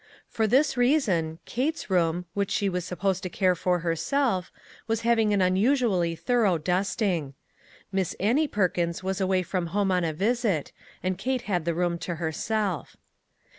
For this reason, Kate's room, which she was supposed to care for herself, was having an 122 unusually thorough dusting. Miss Annie Per kins was away from home on a visit, and Kate had the room to herself.